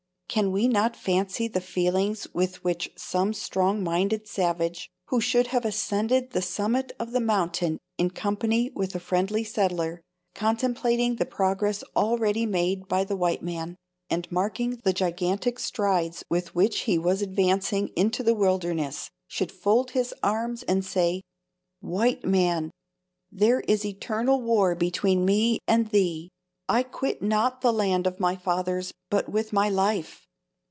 Can we not fancy the feelings with which some strong minded savage, who should have ascended the summit of the mountain in company with a friendly settler, contemplating the progress already made by the white man, and marking the gigantic strides with which he was advancing into the wilderness, should fold his arms and say, 'White man, there is eternal war between me and thee! I quit not the land of my fathers but with my life!